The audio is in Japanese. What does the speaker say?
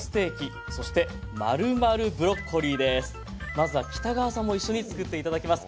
まずは北川さんも一緒に作っていただきます。